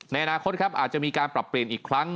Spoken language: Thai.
ในอนาคตครับอาจจะมีการปรับเปลี่ยนอีกครั้ง